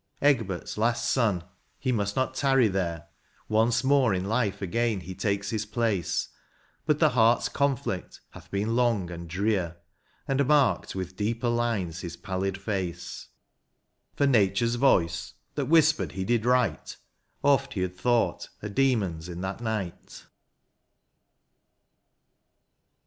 — Egbert's last son — he must not tarry there ; Once more in life again he takes his place, But the heart's conflict hath been long and drear. And marked with deeper lines his pallid face ; For Nature's voice, that whispered he did right. Oft he had thought a demon's in that night.